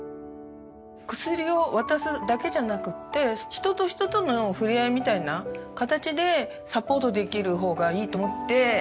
薬を渡すだけじゃなくて人と人とのふれあいみたいな形でサポートできる方がいいと思って。